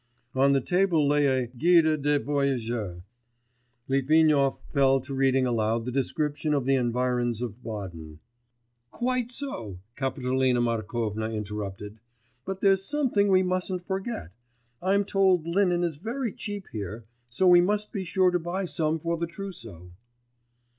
On the table lay a Guide des Voyageurs; Litvinov fell to reading aloud the description of the environs of Baden. 'Quite so,' Kapitolina Markovna interrupted, 'but there's something we mustn't forget. I'm told linen is very cheap here, so we must be sure to buy some for the trousseau.